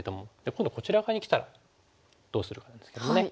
今度こちら側にきたらどうするかなんですけどもね。